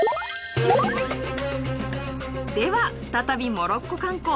では再びモロッコ観光。